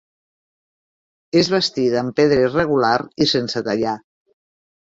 És bastida amb pedra irregular i sense tallar.